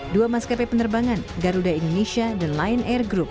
dua maskapai penerbangan garuda indonesia dan lion air group